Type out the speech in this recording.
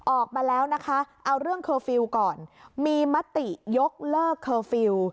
ออกมาแล้วนะคะเอาเรื่องเคอร์ฟิลล์ก่อนมีมติยกเลิกเคอร์ฟิลล์